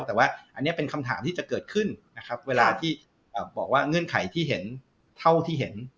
แต่ว่าอันนี้เป็นคำถามที่จะเกิดขึ้นนะครับเวลาที่บอกว่าเงื่อนไขที่เห็นเท่าที่เห็น